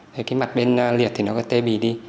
thế cái mặt bên liệt thì nó có tê bì đi